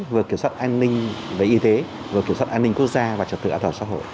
vừa kiểm soát an ninh về y tế vừa kiểm soát an ninh quốc gia và trật tự an toàn xã hội